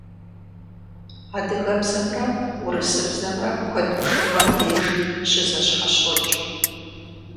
Адыгэбзэмрэ урысыбзэмрэ куэд бжыгъэм дежи щызэщхьэщокӏ.